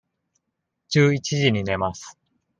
十一時に寝ます。